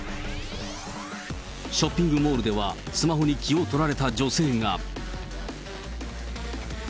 ショッピングモールでは、スマホに気をとられた女性が。